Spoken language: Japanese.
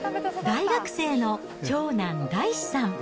大学生の長男、だいしさん。